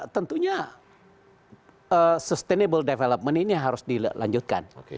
tentunya sustainable development ini harus dilanjutkan